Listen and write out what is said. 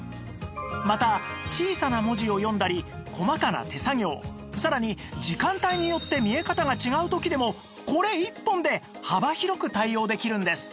また小さな文字を読んだり細かな手作業さらに時間帯によって見え方が違う時でもこれ１本で幅広く対応できるんです